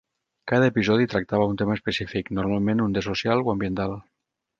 Cada episodi tractava un tema específic, normalment un de social o ambiental.